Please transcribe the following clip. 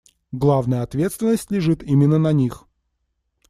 Главная ответственность лежит именно на них.